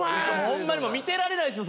ホンマに見てられないです